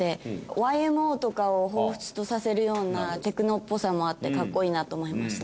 ＹＭＯとかを彷彿とさせるようなテクノっぽさもあってかっこいいなと思いました。